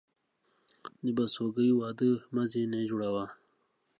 د بسوگى واده مه ځيني جوړوه.